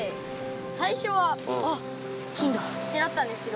さいしょは「あっ金だ」ってなったんですけど。